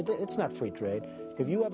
tentu saja sewaktu serait from